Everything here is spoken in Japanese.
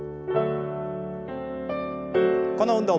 この運動